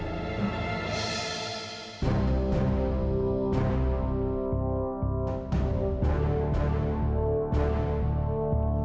ih financial mites nggak ktremen telah dikutu bener a gigimu